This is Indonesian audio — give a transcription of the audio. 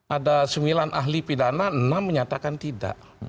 ada sembilan ahli pidana enam menyatakan tidak